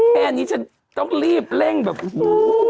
แค่อันนี้ฉันต้องรีบเร่งแบบโอ้โฮ